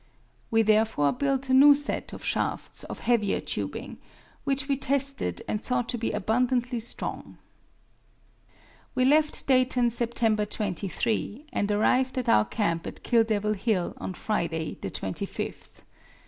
We therefore built a new set of shafts of heavier tubing, which we tested and thought to be abundantly strong. We left Dayton, September 23, and arrived at our camp at Kill Devil Hill on Friday, the 25th.